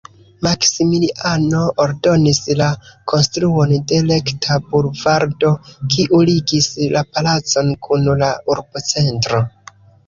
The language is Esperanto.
Maksimiliano ordonis la konstruon de rekta bulvardo, kiu ligis la palacon kun la urbocentro.